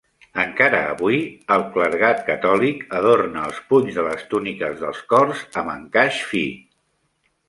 Encara avui, el clergat catòlic adorna els punys de les túniques dels cors amb encaix fi.